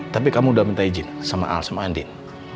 tapi kamu udah minta izin sama al sama andin